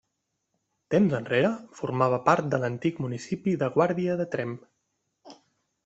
Temps enrere formava part de l'antic municipi de Guàrdia de Tremp.